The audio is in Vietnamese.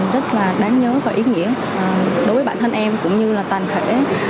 rất là đáng nhớ và ý nghĩa đối với bản thân em cũng như là toàn thể